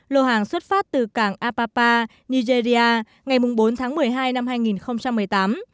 lô hàng xuất phát từ cảng apapa nigeria ngày bốn tháng một mươi hai năm hai nghìn một mươi tám